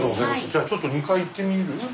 じゃちょっと２階行ってみる？